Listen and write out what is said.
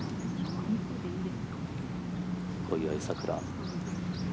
小祝さくら。